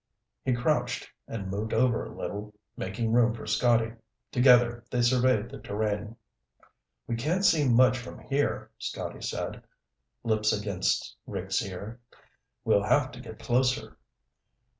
He crouched and moved over a little, making room for Scotty. Together they surveyed the terrain. "We can't see much from here," Scotty said, lips against Rick's ear. "We'll have to get closer."